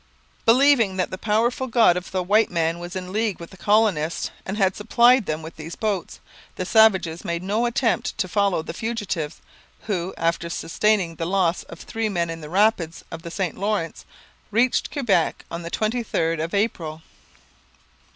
Believing that the powerful God of the white man was in league with the colonists, and had supplied them with these boats, the savages made no attempt to follow the fugitives, who, after sustaining the loss of three men in the rapids of the St Lawrence, reached Quebec on the 23rd of April.